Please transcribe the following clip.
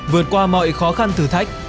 vượt qua mọi khó khăn thử thách